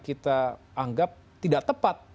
kita anggap tidak tepat